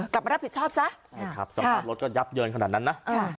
กลับมารับผิดชอบซะใช่ครับสภาพรถก็ยับเยินขนาดนั้นนะ